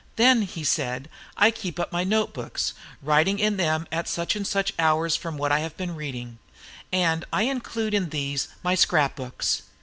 "Then," he said, "I keep up my notebooks, writing in them at such and such hours from what I have been reading; and I include in these my scrap books."